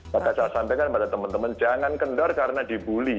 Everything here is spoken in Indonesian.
maka saya sampaikan pada teman teman jangan kendor karena dibully